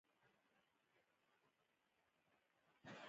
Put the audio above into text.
د پښتنو په کلتور کې د ریښتیا ویلو لپاره زړورتیا پکار ده.